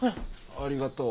ありがとう。